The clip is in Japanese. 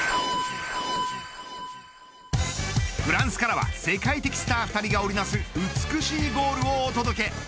フランスからは世界的スター２人が織りなす美しいゴールをお届け。